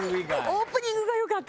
オープニングが良かった！